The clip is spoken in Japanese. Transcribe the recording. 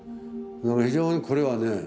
非常にこれはね